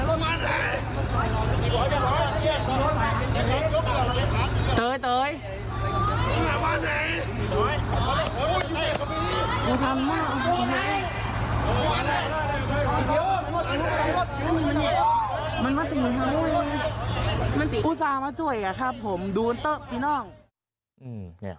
ดูเถอะพี่น้อง